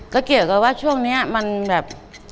ก็เกี่ยวกับว่าช่วงนี้มันแบบ